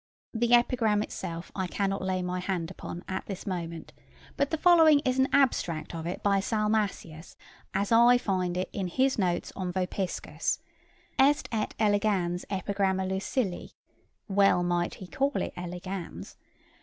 The epigram itself I cannot lay my hand upon at this moment, but the following is an abstract of it by Salmasius, as I find it in his notes on Vopiscus: 'Est et elegans epigramma Lucilii, (well he might call it "elegans!")